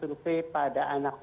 tadi saya datang ke sana